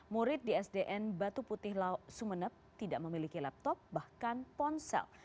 murid di sdn batu putih sumeneb tidak memiliki laptop bahkan ponsel